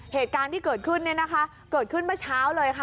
เหตุการณ์ที่เกิดขึ้นเนี่ยนะคะเกิดขึ้นเมื่อเช้าเลยค่ะ